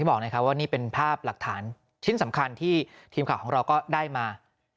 ส่วนภาพของของเราก็ได้มา